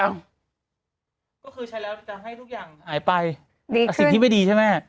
ก็คือใช้แล้วจะให้ทุกอย่างหายไปสิ่งที่ไม่ดีใช่ไหม